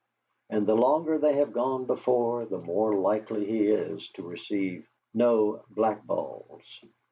And the longer they have gone before the more likely he is to receive no blackballs.